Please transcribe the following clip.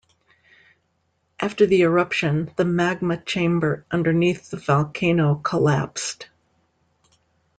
After the eruption, the magma chamber underneath the volcano collapsed.